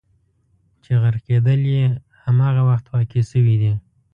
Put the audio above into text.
چې غرقېدل یې همغه وخت واقع شوي دي.